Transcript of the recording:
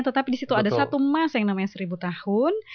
tetapi disitu ada satu masa yang namanya seribu tahun